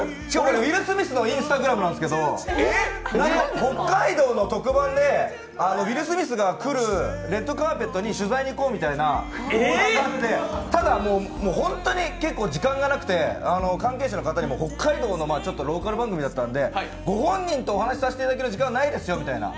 ウィル・スミスのＩｎｓｔａｇｒａｍなんですけど北海道の特番で、ウィル・スミスが来るレッドカーペットに取材に行こうみたいな特番があってただ、本当に結構、時間がなくて関係者の方にも北海道のローカル番組だったんでご本人とお話しさせていただける時間はないですよと。